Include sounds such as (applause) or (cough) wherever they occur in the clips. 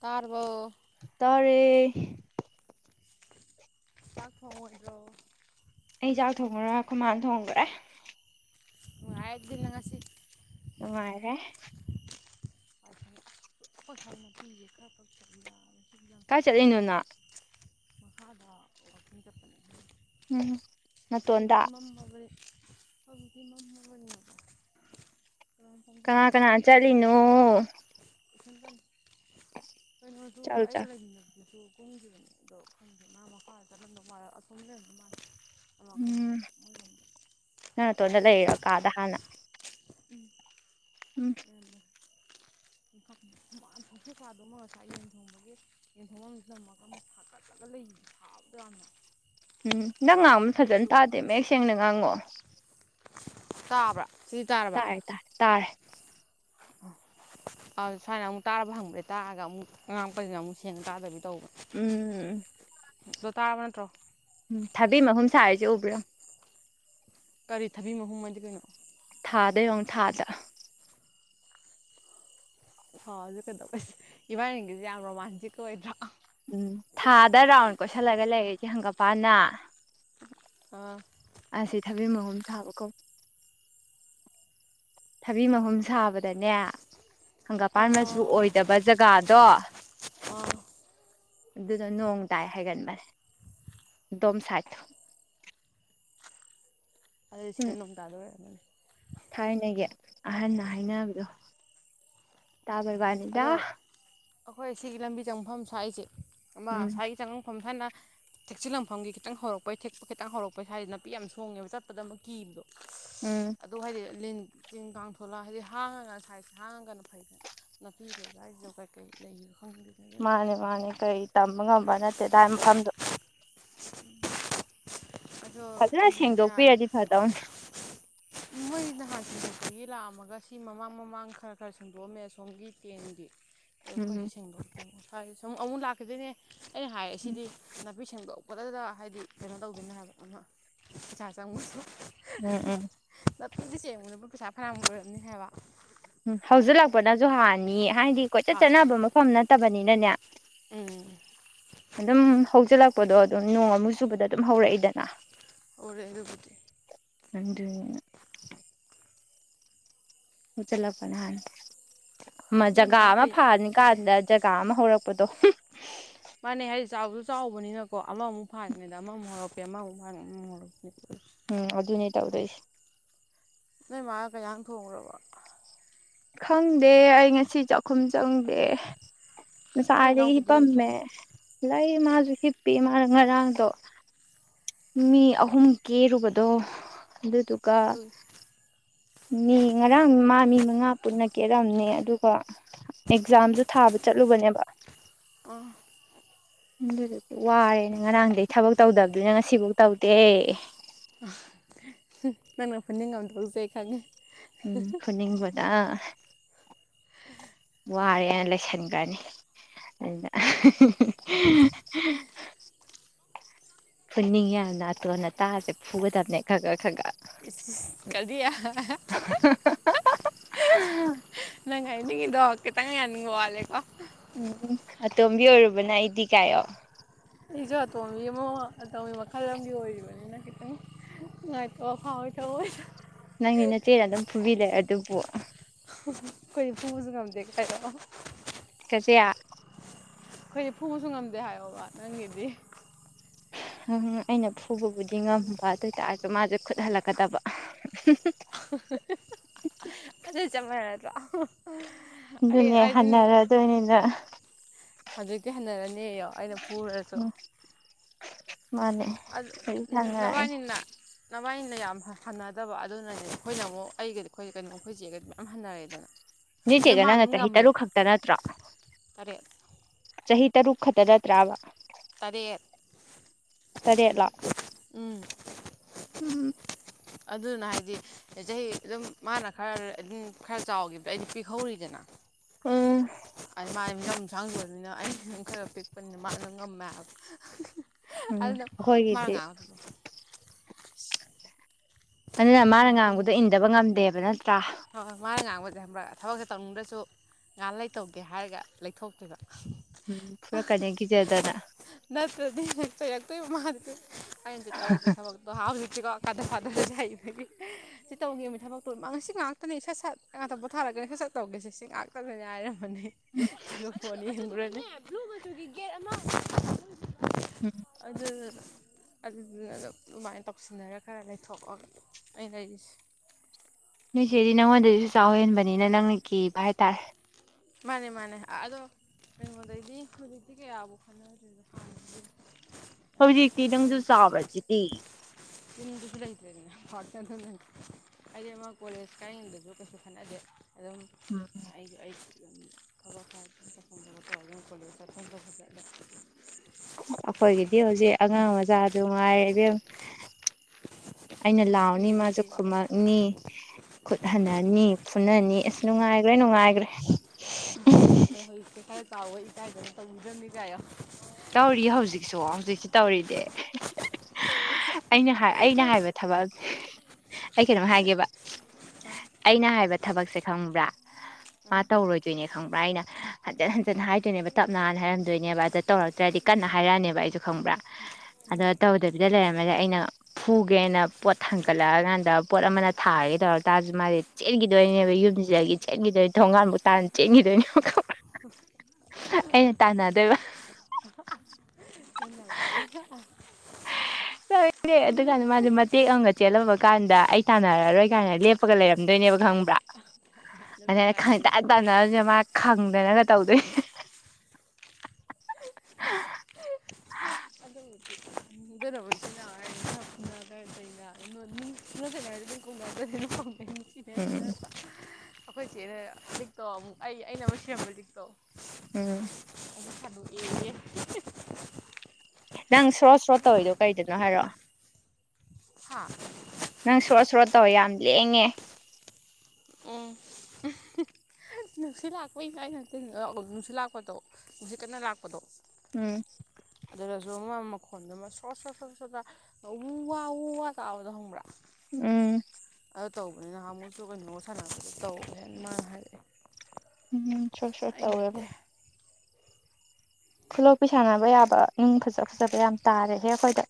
ꯇꯥꯔꯕꯣ ꯔꯦ ꯆꯥꯛ ꯊꯣꯡꯉꯣꯏꯗꯣ ꯑꯩ ꯆꯥꯛ ꯊꯣꯡꯉꯔꯣꯏ ꯈꯣꯃꯅꯥ ꯊꯣꯡꯈ꯭ꯔꯦ ꯅꯨꯉꯥꯏꯔꯦ ꯗꯨꯗꯤ ꯅꯪ ꯉꯁꯤ ꯅꯨꯡꯉꯥꯏꯔꯦ ꯋꯥꯏꯁꯪ (unintelligible) ꯀꯥꯏ ꯆꯠꯂꯤꯅꯣ ꯁꯨꯅꯤꯡꯈꯔꯦ ꯅꯪ ꯃꯈꯥꯗ ꯋꯥꯀꯤꯡ ꯆꯠꯄꯅꯤ ꯎꯝ ꯅꯇꯣꯟꯗ ꯍꯧꯖꯤꯛꯇꯤ ꯃꯝꯃꯕꯅꯤ ꯀꯅꯥ ꯀꯅꯥ ꯆꯠꯂꯤꯅꯣ ꯏꯊꯟꯇꯅꯤ ꯀꯩꯅꯣꯁꯨ ꯆꯠꯂꯨ ꯑꯩꯒꯥ ꯆꯠꯂꯨ ꯂꯩꯃꯤꯟꯅꯕꯗꯨꯁꯨ ꯀꯨꯝꯈꯤꯕꯅꯤ ꯑꯗꯣ ꯈꯪꯗꯦ ꯃꯥ ꯃꯈꯥꯗ ꯆꯠꯂꯝꯗꯧ ꯃꯥꯜꯂꯦ ꯑꯁꯣꯝꯗ ꯂꯩꯔꯝꯗꯧ ꯃꯥꯜꯂꯦ ꯑ ꯀꯩꯅꯣ ꯃꯣꯏꯔꯣꯝ ꯇꯣꯟꯗ ꯂꯩꯌꯦ ꯑꯀꯥꯗ ꯍꯥꯟꯅ (inaudible) ꯎꯝ (unintelligible) ꯎꯝ ꯅꯪ ꯉꯥꯡꯕ ꯐꯖꯅ ꯇꯥꯗꯦ ꯃꯌꯦꯛ ꯁꯦꯡꯅ ꯉꯥꯡꯉꯛꯑꯣ ꯇꯥꯕ꯭ꯔꯥ ꯁꯤꯗꯤ ꯇꯥꯔꯕ ꯇꯥꯥꯏꯌꯦ ꯇꯥꯏ ꯇꯥꯔꯦ ꯑ ꯁꯥꯏꯅ ꯑꯃꯨꯛ ꯇꯥꯔꯕ ꯍꯪꯕꯗꯤ ꯇꯥꯔꯒ ꯑꯃꯨꯛ ꯉꯥꯡꯉꯛꯄꯖꯤꯅ ꯑꯃꯨꯛ ꯁꯦꯡꯅ ꯇꯥꯗꯕꯤ ꯇꯧꯕ ꯎꯝ ꯗꯣ ꯇꯥꯔꯕ ꯅꯠꯇ꯭ꯔꯣ ꯎꯝ ꯊꯥꯕꯤ ꯃꯍꯨꯝ ꯁꯥꯔꯤꯁꯦ ꯎꯕ꯭ꯔ ꯌꯦꯡꯉꯣ ꯀꯔꯤ ꯊꯕꯤ ꯃꯍꯨꯝ ꯍꯥꯢꯗꯤ ꯀꯩꯅꯣ ꯊꯥꯗ ꯌꯦꯡꯉꯣ ꯊꯥꯗ ꯑꯣ ꯑꯗꯨ ꯀꯩꯗꯧꯕꯁꯦ ꯏꯕꯥꯟꯅꯤꯒꯤꯁꯦ ꯌꯥꯝ ꯔꯣꯃꯥꯟꯇꯤꯛꯀ ꯑꯣꯏꯗ꯭ꯔꯣ ꯎꯝ ꯊꯥꯗ ꯔꯥꯎꯟ ꯀꯣꯏꯁꯤꯜꯂꯒ ꯂꯩꯔꯤꯖꯦ ꯍꯪꯒꯥꯝꯄꯥꯟꯅ ꯑ ꯑꯁꯤ ꯊꯕꯤ ꯃꯍꯨꯝ ꯁꯥꯕ ꯀꯧ ꯊꯕꯤ ꯃꯍꯨꯝ ꯁꯥꯕꯗꯅꯦ ꯍꯪꯒꯄꯥꯟ ꯃꯆꯨ ꯑꯥ ꯑꯣꯏꯗꯕ ꯖꯒꯥꯗꯣ ꯑꯥ ꯑꯗꯨꯅ ꯅꯣꯡ ꯇꯥꯏ ꯍꯥꯏꯒꯟꯕꯅꯦ ꯑꯗꯣꯝ ꯁꯥꯏꯠꯇꯣ ꯑꯗꯨꯗꯤ ꯎꯝ ꯁꯤꯗ ꯅꯣꯡ ꯇꯥꯗꯣꯢ ꯑꯣꯏꯔꯝꯒꯅꯦ ꯊꯥꯏꯅꯒꯤ ꯑꯍꯟꯅ ꯍꯥꯏꯅꯕꯗꯣ ꯇꯥꯕꯔꯕꯥꯅꯤꯗ ꯑꯈꯣꯏ ꯁꯤꯒꯤ ꯂꯝꯕꯤ ꯆꯪꯐꯝ ꯁ꯭ꯋꯥꯏꯁꯦ ꯑꯃ ꯎꯝ ꯁꯥꯏꯒꯤ ꯆꯪ ꯁꯣꯝ ꯁꯥꯥꯏꯅ ꯊꯦꯛꯆꯤꯜꯂꯝꯐꯝꯒꯤ ꯈꯤꯇꯪ ꯍꯧꯔꯛꯄꯩ ꯊꯦꯛꯄ ꯈꯤꯇꯪ ꯍꯧꯔꯛꯄꯩ ꯁ꯭ꯋꯥꯁꯤꯗ ꯅꯥꯄꯤ ꯌꯥꯝ ꯁꯣꯡꯉꯦꯕ ꯆꯠꯄꯗ ꯑꯃꯛ ꯀꯤꯕꯗꯣ ꯎꯝ ꯑꯗꯨ ꯍꯥꯏꯗꯤ ꯂꯤꯟ ꯆꯤꯟ ꯀꯥꯡ ꯊꯣꯂ ꯍꯥꯏꯗꯤ ꯍꯥꯡꯉꯒ ꯁꯥꯏꯖꯁ ꯍꯥꯡꯉꯒꯅ ꯐꯩꯁ ꯅꯠ ꯁꯤ ꯂꯩꯒꯥꯏꯖꯧ ꯀꯩꯀꯩ ꯂꯩ ꯃꯥꯅꯦ ꯃꯥꯅꯦ ꯀꯔꯤ ꯇꯝꯕ ꯉꯝꯕ ꯅꯠꯇꯦ ꯗꯥꯏ ꯃꯐꯝꯗꯣ ꯑꯗꯣ ꯐꯖꯅ ꯍꯧꯖꯤꯛ ꯌꯥꯔꯦ ꯁꯦꯡꯗꯣꯛꯄꯤꯔꯗꯤ ꯐꯗꯧꯅꯤ ꯃꯣꯢꯒꯤꯅ ꯃꯥꯟ ꯁꯦꯡꯗꯣꯛꯄꯒꯤ ꯂꯥꯛꯑꯝꯃꯒ ꯁꯤ ꯃꯃꯥꯡ ꯃꯃꯥꯡ ꯈꯔ ꯈꯔ ꯁꯦꯡꯗꯣꯛꯑꯝꯃꯦ ꯁꯣꯝꯒꯤ ꯇꯦꯟꯒꯤ ꯇꯣ ꯎꯝ ꯈꯣꯏꯁꯤ ꯁꯦꯡꯗꯣꯛꯇꯣꯢꯅꯦ ꯍꯥꯢꯔꯁꯨ ꯎꯝ ꯑꯃꯨꯛ ꯂꯥꯛꯈꯤꯗꯣꯏꯅꯦ ꯑꯩꯅ ꯍꯥꯏ ꯑꯁꯤꯗꯤ ꯅꯞ ꯕꯤ ꯁꯦꯡꯗꯣꯛꯄꯗꯗ ꯍꯥꯏꯗꯤ ꯀꯩꯅꯣ ꯇꯧꯗꯣꯢꯅꯦ ꯍꯥꯏꯕ ꯑꯃ ꯄꯩꯁꯥ ꯆꯪꯕꯗꯣ ꯎꯝ ꯎꯝ ꯅꯥꯄꯤꯁꯤ ꯁꯦꯡꯕꯗꯕꯨ ꯄꯩꯁꯥ ꯐꯅꯥꯝ ꯂꯣꯏꯔꯝꯅꯤ ꯍꯥꯏꯕ ꯎꯝ ꯍꯧꯖꯤꯛ ꯂꯥꯛꯄ ꯅ ꯨ (unintelligible) ꯍꯥꯏꯗꯤ ꯀꯣꯏꯆꯠ ꯍꯣꯏ ꯆꯠꯅꯕ ꯃꯐꯝ ꯅꯠꯇꯕꯅꯤ꯫ ꯅꯦꯅꯦ ꯎꯝ ꯑꯗꯨꯝ ꯍꯧꯖꯤꯜꯂꯛꯄꯗꯣ ꯑꯗꯨꯝ ꯅꯣꯡ ꯑꯃꯨꯛ ꯆꯨꯕꯗ ꯑꯗꯨꯝ ꯍꯧꯔꯛꯏꯗꯅ꯫ ꯑꯣꯔꯦ ꯑꯗꯨꯕꯨꯗꯤ (unintelligible) ꯑꯗꯨꯟ ꯆꯠꯂꯛꯄꯅ ꯍꯥꯟ ꯑꯃ ꯅꯣꯏ ꯖꯒꯥ ꯃꯥ ꯑꯃ ꯀꯩ ꯐꯥꯅꯤꯀꯥꯟꯗ ꯖꯒꯥ ꯑꯃ ꯍꯧꯔꯛ ꯄꯗꯣ (unintelligible) ꯃꯥꯅꯦ ꯍꯥꯏꯗꯤ ꯆꯥꯎꯁꯨ ꯆꯥꯎꯕꯅꯤꯅꯀꯣ ꯑꯃꯃꯨꯛ ꯐꯥꯟꯕꯤꯗ ꯑꯃꯃꯨꯛ ꯍꯧꯔꯛꯄꯤ ꯑꯃꯃꯨꯛ ꯐꯥꯟꯕꯤꯗ ꯑꯃꯃꯨꯛ ꯍꯧꯔꯛꯄꯤ꯫ ꯎꯝ ꯑꯗꯨ ꯅꯤ ꯇꯧꯗꯣꯏꯁꯤ꯫ ꯅꯣꯏ ꯃꯥ ꯀꯩ ꯏꯟꯁꯥꯡ ꯊꯣꯡꯒꯔꯕ‌ꯣ ꯈꯪꯗꯦ ꯑꯩ ꯉꯁꯤ ꯆꯥꯛꯈꯨꯝ ꯆꯪꯗꯦ ꯅꯣꯏ ꯉꯁꯥꯏꯗꯒꯤ ꯏꯅꯥꯎꯄꯤꯗꯤ ꯂꯩꯇ꯭ꯔꯣ ꯍꯤꯞꯄꯝꯃꯦ ꯂꯩ ꯃꯥꯁꯨ ꯍꯤꯞꯄꯤ ꯃꯥꯅ ꯉꯔꯥꯡꯗꯣ ꯃꯤ ꯑꯍꯨꯝ ꯀꯦꯔꯨꯕꯗꯣ ꯑꯗꯨꯗꯨꯒ ꯎꯝ ꯂꯩ ꯃꯤ ꯉꯔꯥꯡ ꯃꯥ ꯃꯤ ꯃꯉꯥ ꯄꯨꯟꯅ ꯀꯦꯔꯝꯅꯤ ꯑꯗꯨꯒ ꯑꯦꯛꯖꯥꯝꯁꯨ ꯊꯥꯕ ꯆꯠꯂꯨꯕꯅꯦꯕ꯫ ꯑꯥ ꯑꯗꯨꯒꯤ ꯋꯥꯏꯑꯦꯅ ꯉꯔꯥꯡꯗꯩ ꯊꯕꯛ ꯇꯧꯕꯗꯨꯅ ꯉꯁꯤꯐꯧ ꯇꯧꯗ‌ꯦ ꯅꯪꯅ ꯐꯨꯅꯤꯡ ꯉꯝꯗꯣꯏꯁꯦ ꯑꯩ ꯈꯪꯉꯦ ꯎꯝ ꯐꯨꯅꯤꯡꯕꯗ ꯋꯥꯔꯦꯅ ꯂꯩꯁꯟꯈ꯭ꯔꯅꯤ ꯑꯗꯨꯗ (unintelligible) ꯐꯨꯅꯤꯡꯏ ꯌꯥꯝꯅ ꯑꯇꯣꯟ ꯑꯇꯥꯗ ꯐꯨꯒꯗꯕꯅꯦ ꯈꯒ ꯈꯒ ꯏꯁ ꯀꯔꯤ ꯅꯪꯍꯥꯏꯅꯤꯡꯉꯤꯗꯣ ꯈꯤꯇꯪ ꯌꯥꯅꯤꯡꯕ ꯋꯥꯠꯂꯦꯀꯣ ꯎꯝ ꯑꯇꯣꯝꯕꯤ ꯑꯣꯏꯔꯨꯕꯅ ꯑꯩꯗꯤ ꯀꯥꯏꯌ‌ꯣ ꯑꯩꯁꯨ ꯑꯇꯣꯝꯕꯤ ꯑꯃ ꯑꯇꯣꯝꯕꯤ ꯃꯈꯜ ꯑꯃꯗꯤ ꯑꯣꯏꯔꯤꯕꯅꯤꯅ ꯈꯤꯇꯪ ꯅꯨꯡꯉꯥꯏꯇꯥꯕ ꯐꯥꯎꯋꯦ ꯇꯧꯋꯦ ꯅꯪꯗꯤ ꯅꯆꯦꯅ ꯑꯗꯨꯝ ꯐꯨꯕꯤꯗ‌ꯣꯏꯔ ꯑꯗꯨ ꯑꯗꯨꯕꯨ ꯈꯣꯏꯗꯤ ꯐꯨꯕꯖꯨ ꯉꯝꯗꯦ (unintelligible) ꯆꯦ ꯑꯩꯈꯣꯏꯗꯤ ꯐꯨꯕꯁꯨ ꯉꯝꯗꯦ ꯍꯥꯏꯌꯣꯕ ꯅꯪꯒꯤꯗꯤ ꯅꯪ ꯑꯩꯅ ꯐꯨ ꯐꯨꯕꯗꯤ ꯉꯝꯕꯥ ꯑꯗꯨꯏ ꯇꯥꯔꯁꯨ ꯑꯗꯨ ꯃꯥꯁꯦ ꯈꯨꯠ ꯍꯜꯂꯛꯀꯗꯕ꯫ ꯍꯥꯍꯥꯍꯥ ꯑꯗꯨꯗꯤ ꯆꯞ ꯃꯥꯟꯅꯗ꯭ꯔꯣ (inaudible) ꯑꯗꯨꯅꯦ ꯑꯩꯗꯤ ꯍꯟꯅꯔꯗꯣꯏꯅꯤꯅ ꯍꯧꯖꯤꯛꯇꯤ ꯍꯟꯅꯔꯅꯦꯌꯣ ꯑꯩꯅ ꯐꯨꯔꯖꯨ ꯎꯝ ꯃꯥꯅꯦ ꯑꯩ ꯁꯪꯉꯏ ꯅꯕꯥꯟꯅꯤꯅ ꯌꯥꯝ ꯍꯟꯅꯗꯕ ꯑꯗꯨꯅꯅꯦ ꯑꯩꯈꯣꯏꯅ ꯑꯃꯨꯛ ꯑꯩꯒꯗꯤ ꯑꯩꯈꯣꯏ ꯀꯩꯅꯣ ꯑꯩꯈꯣꯏ ꯆꯦꯒꯗꯤ ꯃꯌꯥꯝ ꯍꯟꯅꯔꯦꯗꯅ ꯅꯣꯏ ꯑꯗꯣ ꯆꯦꯒ ꯃꯥꯅ ꯅꯪꯒ ꯑꯗꯨꯝ ꯆꯍꯤ ꯇꯔꯨꯛ ꯉꯝꯃꯦꯕ ꯈꯛꯇ ꯅꯠꯇ꯭ꯔꯣ ꯇꯔꯦꯠ ꯆꯍꯤ ꯇꯔꯨꯛ ꯈꯛꯇ ꯇ ꯅꯠꯇ꯭ꯔꯕ ꯇꯔꯦꯠ ꯇꯔꯦꯠꯂꯣ ꯎꯝ ꯎꯝ ꯑꯗꯨꯅ ꯍꯥꯏꯗꯤ ꯆꯍꯤ ꯑꯗꯨꯝ ꯃꯥꯅ ꯈꯔ ꯑꯗꯨꯝ ꯈꯔ ꯆꯥꯎꯈꯤꯕꯗꯣ ꯑꯩꯗꯤ ꯄꯤꯍꯧꯔꯤꯗꯅ ꯑꯝ ꯌꯥꯝ ꯁꯥꯡꯗꯕꯅꯤꯅ ꯑꯩꯅ ꯈꯔ ꯄꯤꯛꯄꯅꯤꯅ ꯃꯥꯅ ꯉꯝꯃꯦꯕ ꯎꯝ ꯑꯗꯨꯅ ꯑꯈꯣꯏꯒꯤꯗꯤ ꯑꯗꯨꯅ ꯃꯥꯅ ꯉꯥꯡꯕꯗꯣ ꯏꯟꯗꯕ ꯉꯝꯗꯦꯕ ꯅꯠꯇ꯭ꯔꯣ ꯅꯠꯇ꯭ꯔ ꯍꯣꯏ ꯍꯣꯏ ꯃꯥꯅ ꯉꯥꯡꯕꯁꯦ ꯈꯪꯕ꯭ꯔ ꯊꯕꯛꯁꯦ ꯇꯧꯅꯤꯡꯗ꯭ꯔꯁꯨ ꯉꯥꯛ ꯂꯩꯇꯧꯒꯦ ꯍꯥꯏꯔꯒ ꯂꯩꯊꯣꯛꯈꯤꯕ ꯎꯝ ꯐꯨꯔꯛꯀꯅꯤꯅ ꯀꯤꯖꯗꯅ ꯅꯠꯇ꯭ꯔꯗꯤ ꯆꯩꯔꯛꯇꯣꯏꯕ ꯃꯥꯗꯤ ꯗꯨꯝ ꯑꯩꯅ ꯇꯧꯒꯤ ꯊꯕꯛꯇꯣ ꯑꯍꯧꯖꯤꯛꯇꯤꯀꯣ ꯀꯗꯔ ꯐꯗꯔꯁꯦ ꯍꯩꯕꯒꯤ ꯁꯤ ꯇꯧꯒꯦꯃꯤ ꯊꯕꯛꯇꯣ ꯁꯤ ꯉꯥꯡ ꯁꯠ ꯁꯠ ꯉꯥꯛꯇ ꯄꯣꯊꯥꯔꯒ ꯁꯠꯁꯠ ꯇꯧꯒꯦꯁꯦꯁꯤ ꯉꯥꯛꯇꯗꯅꯤ ꯍꯥꯏꯔꯝ ꯃꯅꯤ ꯑꯗꯨꯒ ꯕꯣꯜ ꯌꯦꯡꯉꯨꯔꯅꯤ ꯕ꯭ꯂꯨ ꯃꯆꯨꯒꯤ ꯒꯦꯠ ꯑꯃ ꯎꯝ ꯑꯗꯨꯅ ꯑꯗꯨꯗꯨꯅ ꯑꯗꯨꯃꯥꯏꯅ ꯇꯧꯁꯤꯟꯅꯔꯒ ꯈꯔ ꯂꯩꯊꯣꯛꯑꯒ ꯑꯩ ꯂꯩꯔꯤꯁꯦ ꯅꯣꯏ ꯆꯦꯗꯤ ꯅꯪꯉꯣꯟꯗꯩꯁꯨ ꯆꯥꯎ ꯍꯦꯟꯕꯅꯤꯅ ꯅꯪꯅ ꯀꯤꯕ ꯍꯥꯏꯇꯥꯔꯦ ꯃꯥꯅꯦ ꯃꯥꯅꯦ ꯑꯗꯣ ꯀꯩꯅꯣꯗꯩꯗꯤ ꯍꯧꯖꯤꯛꯇꯤ ꯀꯌꯥꯕꯨꯧ ꯈꯠꯅꯗ꯭ꯔꯦ ꯍꯧꯖꯤꯛꯇꯤ ꯅꯪꯁꯨ ꯆꯥꯎꯔꯁꯤꯗꯤ ꯑꯗꯨꯅꯅꯤ ꯍꯥꯏꯗꯤ ꯑꯃ ꯀꯣꯂꯦꯖ ꯀꯥꯏꯡꯗꯁꯨ ꯀꯩꯁꯨ ꯈꯠꯅꯗꯦ ꯑꯗꯨꯝ ꯎꯝ ꯑꯩꯒꯤ ꯑꯩ ꯈꯔ ꯍꯇꯝ ꯀꯂ ꯇꯔꯨꯝꯗ ꯍꯁꯦ ꯇ ꯑꯩꯈꯣꯏꯒꯤꯗꯤ ꯍꯧꯖꯤꯛ ꯑꯉꯥꯡ ꯃꯆꯥ ꯅꯨꯉꯥꯏꯔꯦ ꯏꯕꯦꯝꯃ ꯑꯩꯅ ꯂꯥꯎꯅꯤ ꯀꯦꯕꯗ ꯃꯥꯁꯨ ꯀꯦꯕꯗ ꯈꯨꯃꯛꯅꯤ ꯈꯨꯠ ꯍꯟꯅꯅꯤ ꯐꯨꯅꯅꯤ ꯑꯁ ꯅꯨꯡꯉꯥꯏꯒ꯭ꯔꯦ ꯅꯨꯡꯉꯥꯏꯒ꯭ꯔꯦ꯫ (unintelligible) ꯆꯥꯎꯕꯩ ꯏꯀꯥꯏꯗꯅ ꯇꯧꯕꯤꯗ꯭ꯔꯝꯅꯤ ꯀꯥꯏꯌꯣ꯫ ꯇꯧꯔꯤꯌꯦ ꯍꯧꯖꯤꯛꯁꯨ ꯍꯧꯖꯤꯛꯁꯨ ꯇꯧꯔꯤꯗꯦ꯫ ꯑꯩꯅ ꯍꯥꯏ ꯑꯩꯅ ꯍꯥꯏꯕ ꯊꯕꯛ꯫ ꯑꯩ ꯀꯩꯅꯣꯝ ꯍꯥꯏꯒꯦꯕ ꯑꯩꯅ ꯍꯥꯏꯕ ꯊꯕꯛꯁꯦ ꯈꯪꯕ꯭ꯔꯥ ꯃꯥ ꯇꯧꯔꯣꯏꯗꯣꯏꯅꯦ ꯈꯪꯕ꯭ꯔꯥ ꯑꯩꯅ ꯍꯟꯖꯤꯟ ꯍꯟꯖꯤꯟ ꯍꯥꯏꯗꯣꯏꯅꯦꯕ ꯇꯞꯅ ꯍꯟꯅ ꯍꯥꯏꯔꯝꯗꯣꯏꯅꯦꯕ ꯑꯗ꯫ ꯇꯧꯔꯛꯇ꯭ꯔꯗꯤ ꯀꯟꯅ ꯍꯥꯏꯔꯛꯑꯅꯦꯕ ꯑꯩꯁꯨ ꯈꯪꯕ꯭ꯔꯥ ꯑꯗꯣ ꯇꯧꯗꯕꯤꯗ ꯂꯩꯔꯝꯃꯗꯤ ꯑꯩꯅ ꯐꯨꯒꯦꯅ ꯄꯣꯠ ꯊꯥꯡꯀꯠꯂꯛꯑꯀꯥꯟꯗ ꯄꯣꯠ ꯑꯃꯅ ꯊꯥꯒꯦ ꯇꯧꯔꯛ ꯇꯥꯔꯁꯨ ꯃꯥꯗꯤ ꯆꯦꯟꯈꯤꯗꯣꯏꯅꯦꯕ ꯌꯨꯝꯁꯤꯗꯒꯤ ꯆꯦꯟꯈꯤꯗꯣꯏ ꯊꯣꯡꯒꯥꯟꯕꯨ ꯇꯥꯟ ꯆꯦꯟꯈꯤꯗꯣꯏꯅꯦꯕ ꯈꯪꯕ꯭ꯔꯥ ꯑꯩꯅ ꯇꯥꯟꯅꯗꯣꯏꯕ꯫ (unintelligible) (unintelligible) ꯑꯗꯨ ꯀꯥꯟꯗ ꯃꯥꯗꯤ ꯃꯇꯦꯛ ꯑꯃꯒ ꯆꯦꯜꯂꯝꯕ ꯀꯥꯟꯗ ꯑꯩ ꯇꯥꯟꯅꯔꯔꯣꯏ ꯀꯥꯏꯅ ꯂꯦꯞꯄꯒ ꯂꯩꯔꯝꯗꯣꯏꯅꯦꯕ ꯈꯪꯕ꯭ꯔꯥ꯫ ꯑꯗꯩ ꯈꯪꯇꯥꯟ ꯇꯥꯟꯅ ꯃ ꯈꯪꯗꯅꯒ ꯇꯧꯗꯣꯏꯅꯦ (unintelligible) (unintelligible) (unintelligible) ꯎꯝ ꯑꯩꯈꯣꯏ ꯆꯦꯅ ꯂꯤꯛꯇꯣ ꯑꯃꯨꯛ ꯑꯩ ꯑꯩꯅ ꯑꯃ ꯁꯦꯝꯕ ꯂꯤꯛꯇꯣ꯫ ꯎꯝ꯫ ꯁꯗꯣꯛ ꯑꯦꯌꯦ꯫ ꯅꯪ ꯁ꯭ꯔꯣꯠ ꯁ꯭ꯔꯣꯠ ꯇꯧꯔꯤꯗꯣ ꯀꯩꯗꯅꯣ ꯍꯥꯏꯔꯛꯑꯣ꯫ ꯍꯥꯥ꯫ ꯅꯪ ꯁ꯭ꯔꯣꯠ ꯁ꯭ꯔꯣꯠ ꯇꯧꯋꯦ ꯌꯥꯝ ꯂꯦꯡꯉꯦ꯫ ꯎꯝ ꯅꯨꯡꯁꯤꯠ ꯂꯥꯛꯄꯩꯅꯦ ꯑꯩꯅꯠꯇꯦ ꯅꯨꯡꯁꯤꯠ ꯂꯥꯛꯄꯗꯣ ꯅꯨꯡꯁꯤꯠ ꯀꯟꯅ ꯂꯥꯛꯄꯗꯣ꯫ ꯎꯝ꯫ ꯑꯗꯨꯗꯁꯨ ꯃꯥ ꯃꯈꯣꯟꯗꯨ ꯑꯃ ꯁ꯭ꯔꯣ ꯁ꯭ꯔꯣ (unintelligible) ꯎ ꯋꯥ ꯎ ꯋꯥ ꯇꯥꯕꯗꯣ ꯈꯪꯕ꯭ꯔꯥ꯫ ꯎꯝ꯫ ꯇꯧꯕꯅꯤꯅ ꯅꯃꯨꯛꯁꯨ ꯀꯩꯅꯣ ꯁꯥꯟꯅꯕꯗ ꯇꯧꯋꯦꯅ ꯃꯥꯅ ꯍꯥꯏꯔꯛꯑꯦ꯫ ꯎꯝ꯫ ꯁ꯭ꯔꯣꯠ ꯁ꯭ꯔꯣꯠ ꯑꯩ ꯇꯧꯋꯦꯕ꯫ ꯅꯠꯇꯦ ꯈꯨꯂꯣꯛꯄꯤ ꯁꯥꯟꯅꯕ ꯌꯥꯕ ꯅꯨꯡ ꯐꯖ ꯐꯖꯕ ꯌꯥꯝ ꯇꯥꯔꯦꯍꯦ ꯑꯩꯈꯣꯏꯗ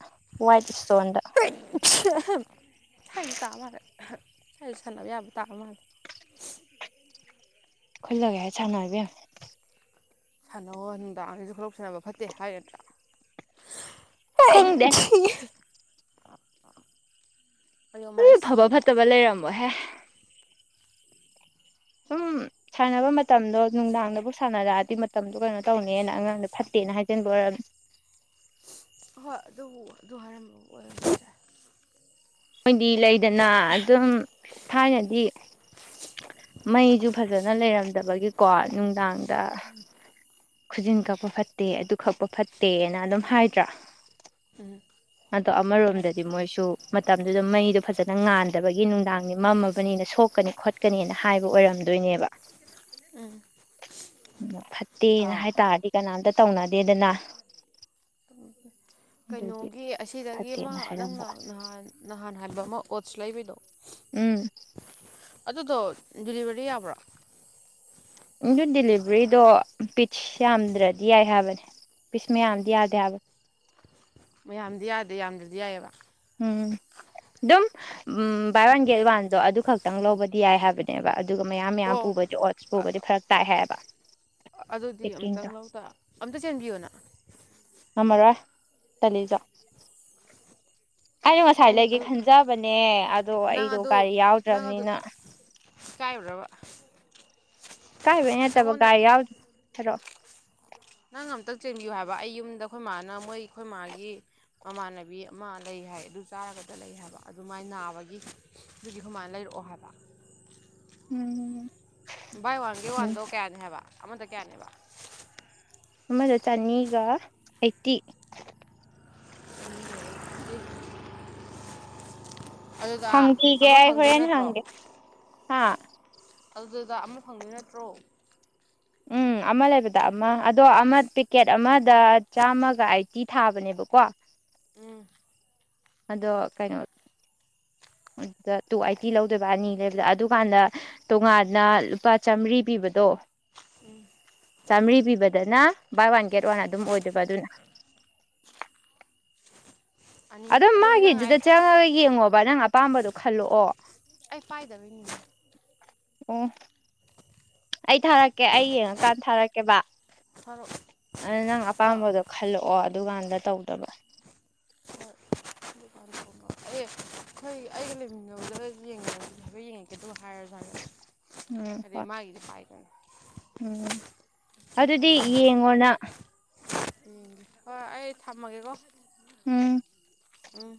ꯋꯥꯏꯠ ꯏꯁꯇꯣꯟꯗ꯫ ꯁ꯭ꯋꯥꯏꯗꯁꯨ ꯁꯥꯏꯗ ꯁꯥꯟꯅꯕ ꯌꯥꯕ ꯇꯥ ꯃꯜꯂꯦ꯫ ꯈꯨꯜꯂꯒ ꯍꯦꯛ ꯁꯥꯟꯅꯔꯣ ꯏꯕꯦꯝꯃ꯫ ꯁꯥꯟꯅꯧ ꯅꯨꯡꯗꯥꯡꯁꯤꯗ ꯈꯨꯂꯣꯛꯄꯤ ꯁꯥꯟꯅꯕ ꯐꯠꯇꯦ ꯍꯥꯏꯔꯗ꯭ꯔꯥ꯫ (unintelligible) ꯈꯪꯗꯦ ꯃꯥꯏ ꯐꯕ ꯁꯤꯔꯦ ꯐꯠꯇꯕ ꯂꯩꯔꯝꯃꯣꯏꯍꯦ꯫ ꯁꯨꯝ ꯁꯥꯟꯅꯕ ꯃꯇꯝꯗꯣ ꯅꯨꯡꯗꯥꯡꯗꯕꯨꯛ ꯁꯥꯟꯅꯔꯛꯑꯗꯤ ꯃꯇꯝꯗꯣ ꯀꯩꯅꯣ ꯇꯧꯅꯦꯅ ꯑꯉꯥꯡꯗꯣ ꯐꯠꯇꯦꯅ ꯍꯥꯏꯖꯤꯟꯕ ꯑꯣꯏꯔꯝꯅꯤ꯫ ꯍꯣꯏ ꯑꯗꯨꯕꯨ ꯑꯗꯨ ꯍꯥꯏꯔꯝꯕꯕꯨ ꯑꯣꯏꯔꯝ ꯌꯥꯢ꯫ ꯃꯣꯏꯗꯤ ꯂꯩꯗꯅ ꯑꯗꯨꯝ ꯊꯥꯏꯅꯗꯤ ꯃꯩꯁꯨ ꯐꯖꯅ ꯂꯩꯔꯝꯗꯕꯒꯤꯀꯣ ꯅꯨꯡꯗꯥꯡꯗ ꯈꯨꯖꯤꯟ ꯀꯛꯄ ꯐꯠꯇꯦ ꯑꯗꯨ ꯀꯛꯄ ꯐꯠꯇꯦꯅ ꯑꯗꯨꯝ ꯍꯥꯏꯗ꯭ꯔꯥ ꯑꯗꯣ ꯑꯃꯔꯣꯝꯗꯗꯤ ꯃꯣꯏꯁꯨ ꯃꯇꯝꯗꯨꯗ ꯃꯩꯗꯣ ꯐꯖꯅ ꯉꯥꯟꯗꯕꯒꯤ ꯅꯨꯡꯗꯥꯡꯗꯤ ꯃꯝꯃꯕꯅꯤꯅ ꯁꯣꯛꯀꯅꯤ ꯈꯣꯠꯀꯅꯤꯅ ꯍꯥꯏꯕ ꯑꯣꯏꯔꯝꯗꯣꯏꯅꯦꯕ ꯐꯠꯇ ꯇꯦꯅ ꯑꯥ ꯍꯥꯏꯇꯥꯥꯔꯗꯤ ꯀꯅꯥꯝ ꯇꯧꯅꯗꯦꯗꯅ꯫ ꯑꯗꯨꯒꯤ ꯀꯩꯅꯣꯒꯤ ꯑꯁꯤꯗꯒꯤ ꯑꯃ ꯐꯠꯇꯦꯅ ꯍꯥꯏꯔꯝꯕ ꯅꯪꯅ ꯅꯍꯥꯟ꯫ ꯅꯍꯥꯟ ꯍꯥꯟꯕ ꯑꯃ ꯑꯣꯠꯁ ꯂꯩꯕꯩꯗꯣ꯫ ꯎꯝ ꯑꯗꯨꯗꯣ ꯗꯤꯂꯤꯚꯔꯤ ꯌꯥꯕ꯭ꯔꯣ꯫ ꯑꯗꯨ ꯗꯤꯂꯤꯚꯔꯤꯗꯣ ꯄꯤꯁ ꯌꯥꯝꯗ꯭ꯔꯗꯤ ꯌꯥꯏ ꯍꯥꯏꯕꯅꯦ ꯄꯤꯁ ꯃꯌꯥꯝꯗꯤ ꯌꯥꯗꯦ ꯍꯥꯏꯕ꯫ ꯃꯌꯥꯝꯗꯤ ꯌꯥꯗꯦ ꯌꯥꯝꯗ꯭ꯔꯗꯤ ꯌꯥꯏꯌꯦꯕ꯫ ꯎꯝ ꯑꯗꯨꯝ ꯕꯥꯏ ꯋꯥꯟ ꯒꯦꯠ ꯋꯥꯟꯗꯣ ꯑꯗꯨ ꯈꯛꯇꯡ ꯂꯧꯕꯗꯤ ꯌꯥꯏ ꯍꯥꯏꯕꯅꯦꯕ ꯑꯗꯨꯒ ꯃꯌꯥꯝ ꯃꯌꯥꯝ ꯑꯣ ꯄꯨꯕꯗꯤ ꯑꯣꯠꯁ ꯄꯨꯕꯗꯤ ꯐꯔꯛ ꯇꯥꯏ ꯍꯥꯏꯌꯦꯕ꯫ ꯑꯗꯨꯗꯤ ꯑꯝꯇꯪ ꯂꯧ ꯇ ꯑꯝꯇ ꯆꯦꯟꯕꯤꯌꯨꯅꯥ꯫ ꯉꯝꯃꯔꯣꯏ ꯇꯜꯂꯤꯆꯣ꯫ ꯑꯩꯅ ꯉꯁꯥꯏ ꯅꯪ ꯂꯩꯒꯦ ꯑꯗꯨ ꯈꯟꯖꯕꯅꯦ ꯑꯗꯣ ꯅꯪ ꯑꯩꯗꯣ ꯒꯥꯔꯤ ꯌꯥꯎꯗ꯭ꯔꯝꯅꯤꯅ ꯢꯀꯥꯏꯕ꯭ꯔꯕ꯫ ꯏꯀꯥꯏꯕꯩ ꯅꯠꯇꯕ ꯒꯥꯔꯤ ꯌꯥꯎ ꯍꯥꯔꯛꯑꯣ꯫ ꯅꯪ ꯑꯝꯇ ꯆꯦꯟꯕꯤꯌꯨ ꯍꯥꯏꯕ ꯑꯩ ꯌꯨꯝꯗ ꯑꯩꯈꯣꯏ ꯃꯥꯥꯅ ꯃꯣꯏ ꯑꯩꯈꯣꯏ ꯃꯥꯒꯤ ꯃꯃꯥꯟꯅꯕꯤ ꯑꯃ ꯂꯩ ꯍꯥꯏ ꯑꯗꯨ ꯆꯥꯔꯒꯗ ꯂꯩ ꯍꯥꯏꯕ ꯑꯗꯨꯃꯥꯏ ꯅꯥꯕꯒꯤ ꯑꯗꯨꯒꯤ ꯑꯩꯈꯣꯏ ꯃꯥꯅ ꯂꯩꯔꯛꯑꯣ ꯍꯥꯏꯕ꯫ ꯎꯝꯝ꯫ ꯕꯥꯏ ꯋꯥꯟ ꯒꯦꯠ ꯋꯥꯟꯗꯣ ꯀꯌꯥꯅꯤ ꯍꯥꯏꯕ꯫ ꯑꯃꯗ ꯀꯌꯥꯅꯦꯕ꯫ ꯑꯃꯗ ꯆꯅꯤꯒ ꯑꯥꯏꯠꯇꯤ꯫ (unintelligible) ꯑꯗꯨꯗ ꯍꯪꯈꯤꯒꯦ ꯑꯃ ꯑꯩ ꯐꯪꯗꯣꯏ ꯍꯣꯔꯦꯟ ꯅꯠꯇ꯭ꯔꯣ ꯍꯪꯒꯦ ꯍꯥ꯫ ꯑꯗꯨꯗ ꯑꯃ ꯐꯪꯗꯣꯏ ꯅꯠꯇ꯭ꯔꯣ꯫ ꯎꯝ ꯑꯃ ꯂꯩꯕꯗ ꯑꯃ ꯑꯗꯣ ꯑꯃ ꯄꯦꯛꯀꯦꯠ ꯑꯃꯗ ꯆꯥꯝꯃꯒ ꯑꯥꯏꯠꯇꯤ ꯊꯥꯕꯅꯦꯕꯀꯣ꯫ ꯎꯝ꯫ ꯑꯗꯣ ꯀꯩꯅꯣ ꯑꯗꯨꯗ ꯇꯨ ꯑꯥꯢꯠꯇꯤ ꯂꯧꯗꯣꯏꯕ ꯑꯅꯤ ꯂꯩꯕꯗ ꯑꯗꯨꯀꯥꯟꯗ ꯇꯣꯉꯥꯟꯅ ꯂꯨꯄꯥ ꯆꯥꯝꯃꯔꯤ ꯄꯤꯕꯗꯣ ꯎꯝ꯫ ꯆꯥꯝꯃꯔꯤ ꯄꯤꯕꯗꯅ ꯕꯥꯏ ꯋꯥꯟ ꯒꯦꯠ ꯋꯥꯟ ꯑꯗꯨꯝ ꯑꯣꯏꯗꯣꯏꯕ ꯑꯗꯨꯅ꯫ ꯑꯅꯤ ꯑꯗꯨꯝ ꯑꯗꯨꯗꯤ ꯅꯪ ꯍꯥꯏ ꯃꯥꯒꯤꯗꯨꯗ ꯆꯪꯉꯒ ꯌꯦꯡꯉꯣꯕ ꯅꯪ ꯑꯄꯥꯝꯕꯗꯣ ꯈꯜꯂꯛꯑꯣ꯫ ꯑꯩ ꯄꯥꯏꯗꯕꯩꯅꯤꯅꯦ ꯑꯣ꯫ ꯑꯩ ꯊꯥꯔꯛꯀꯦ ꯑꯩ ꯌꯦꯡꯉꯀꯥꯟꯗ ꯊꯥꯔꯛꯀꯦꯕ ꯊꯥꯔꯛꯑꯣ ꯑꯗꯨ ꯅꯪ ꯑꯥ ꯑꯄꯥꯝꯕꯗꯣ ꯈꯜꯂꯛꯑꯣ ꯑꯗꯨꯀꯥꯟꯗ ꯇꯧꯗꯧꯕ꯫ ꯍꯣꯏ (unintelligible) ꯑꯦ ꯑꯩꯈꯣꯏ ꯑꯩꯒ ꯂꯩꯃꯤꯟꯅꯕꯗꯨꯗꯒ ꯌꯦꯡ (unintelligible) ꯍꯥꯏꯐꯦꯠ ꯌꯦꯡꯉꯛꯀꯦ ꯑꯗꯨꯒ ꯍꯥꯏꯔꯖꯨ ꯍꯥꯔꯛ ꯎꯝ ꯍꯣꯏ ꯎꯝ ꯍꯣꯏ ꯑꯗꯨꯗꯤ ꯌꯦꯡꯉꯣ ꯅꯪ꯫ ꯎꯝ ꯍꯣꯏ ꯑꯩ ꯊꯝꯃꯒꯦꯀꯣ꯫ ꯎꯝ꯫ ꯎꯝ꯫